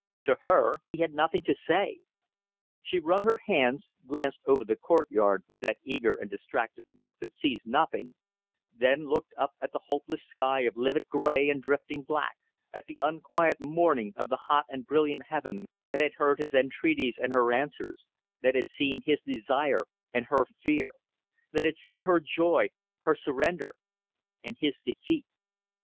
To her he had nothing to say! She wrung her hands, glanced over the courtyard with that eager and distracted look that sees nothing, then looked up at the hopeless sky of livid grey and drifting black; at the unquiet mourning of the hot and brilliant heaven that had seen the beginning of her love, that had heard his entreaties and her answers, that had seen his desire and her fear; that had seen her joy, her surrender and his defeat.